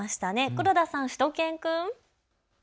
黒田さん、しゅと犬くん。